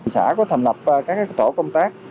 xã có thầm lập các tổ công tác